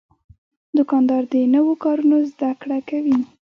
دوکاندار د نوو کارونو زدهکړه کوي.